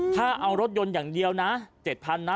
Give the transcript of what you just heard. ถ้าเอารถยนต์อย่างเดียวนะ๗๐๐นะ